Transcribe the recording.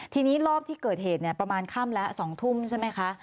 ทีนี้รอบที่เกิดเหตุประมาณค่ำแล้ว๒ทุ่มใช่ไหมคะ